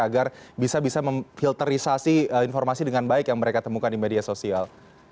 agar bisa bisa memfilterisasi informasi dengan baik yang mereka temukan di media sosial